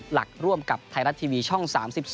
ร่วมกับไทยรัฐทีวีช่อง๓๒